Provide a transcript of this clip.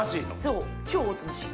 そう超おとなしい。